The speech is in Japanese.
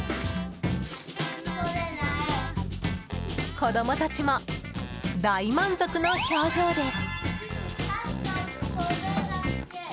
子供たちも大満足の表情です。